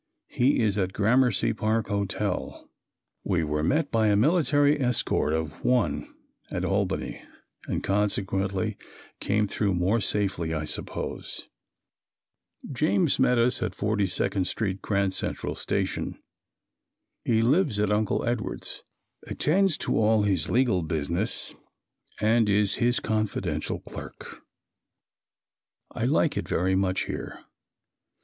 He is at Gramercy Park Hotel. We were met by a military escort of "one" at Albany and consequently came through more safely, I suppose. James met us at 42d Street Grand Central Station. He lives at Uncle Edward's; attends to all of his legal business and is his confidential clerk. I like it very much here.